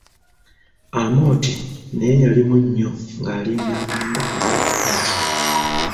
Amooti naye yalimu nnyo, ng'alinda abamuwa eby'okukola.